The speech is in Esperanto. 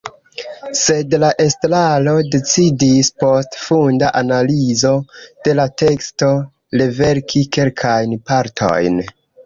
Sed la estraro decidis, post funda analizo de la teksto, reverki kelkajn partojn.